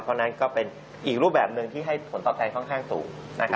เพราะฉะนั้นก็เป็นอีกรูปแบบหนึ่งที่ให้ผลตอบแทนค่อนข้างสูง